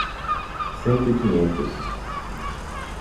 Cento e quinhentos